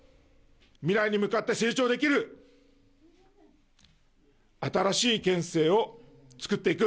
未来に向かって成長できる新しい県政を作っていく。